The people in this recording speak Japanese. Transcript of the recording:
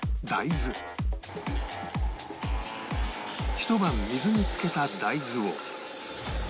ひと晩水に漬けた大豆を